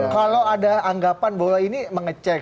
kalau ada anggapan bahwa ini mengecek